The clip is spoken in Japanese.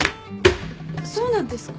そうなんですか？